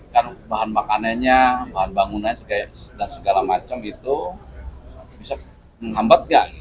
kan bahan makanannya bahan bangunannya dan segala macam itu bisa menghambat nggak